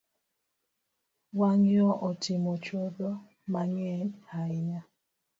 Wang’yo otimo chuodho mang’eny ahinya